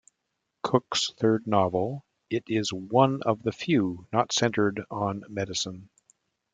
Cook's third novel, it is one of the few not centered on medicine.